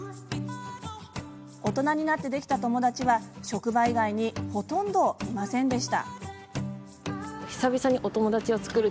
大人になってできた友達は職場以外にほとんどいませんでした。